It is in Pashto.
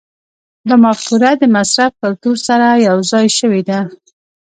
دا مفکوره د مصرف کلتور سره یوځای شوې ده.